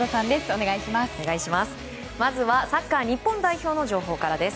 お願いします。